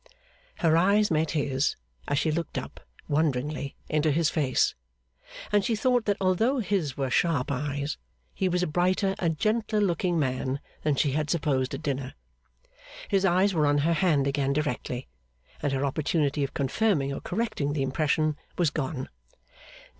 Her eyes met his as she looked up wonderingly into his face, and she thought that although his were sharp eyes, he was a brighter and gentler looking man than she had supposed at dinner. His eyes were on her hand again directly, and her opportunity of confirming or correcting the impression was gone.